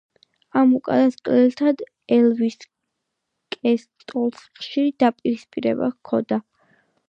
ამ უკანასკნელთან ელვის კოსტელოს ხშირი დაპირისპირება ჰქონდა.